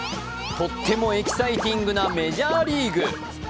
とってもエキサイティングなメジャーリーグ。